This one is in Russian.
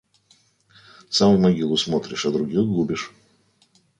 Сам в могилу смотришь, а других губишь.